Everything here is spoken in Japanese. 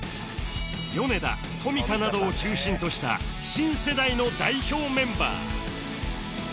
米田冨田などを中心とした新世代の代表メンバー